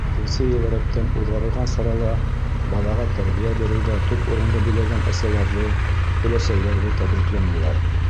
Икенсе йыл рәттән уҙғарылған сарала балаға тәрбиә биреүҙә төп урынды биләгән әсәләрҙе, өләсәйҙәрҙе тәбрикләнеләр.